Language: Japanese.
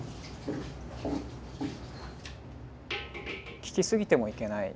聞き過ぎてもいけない。